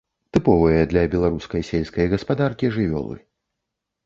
Тыповыя для беларускай сельскай гаспадаркі жывёлы.